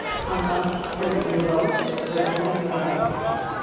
А наш цёмны беларус гэтаму і рад.